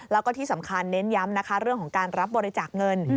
แล้วก็ที่สำคัญเน้นย้ำนะคะเรื่องของการรับบริจาคเงิน